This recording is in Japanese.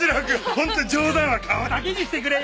本当に冗談は顔だけにしてくれよ。